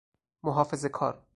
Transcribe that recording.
محافظه کار